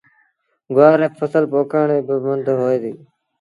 گُوآر ري ڦسل پوکڻ ريٚ با مند هوئي ديٚ۔